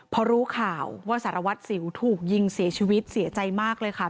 พอรู้ข่าวว่าสารวัตรสิวถูกยิงเสียชีวิตเสียใจมากเลยค่ะ